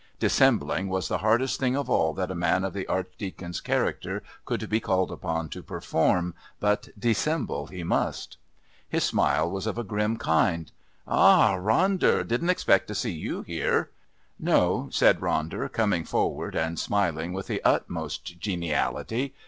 Dissembling was the hardest thing of all that a man of the Archdeacon's character could be called upon to perform, but dissemble he must. His smile was of a grim kind. "Ha! Ronder; didn't expect to see you here." "No," said Ronder, coming forward and smiling with the utmost geniality.